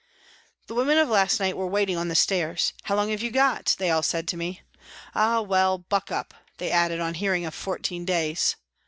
The women of last night were waiting on the stairs. " How long have you got ?" they all said to me. " Ah ! well, buck up," they added on hearing of fourteen days.